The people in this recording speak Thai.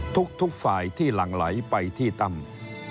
ทุกฝ่ายที่หลั่งไหลไปที่ตั้ม